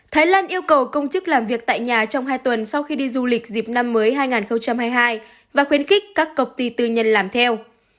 thái lan yêu cầu công chức làm việc tại nhà trong hai tuần sau khi đi du lịch dịp năm mới hai nghìn hai mươi hai và khuyến khích các công ty tư nhân làm theo